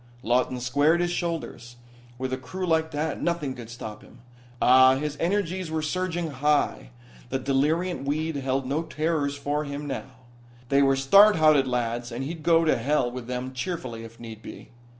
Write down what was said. Lawton squared his shoulders. With a crew like that nothing could stop him! Ah, his energies were surging high. The deliriant weed held no terrors for him now. They were stout hearted lads and he'd go to hell with them cheerfully, if need be.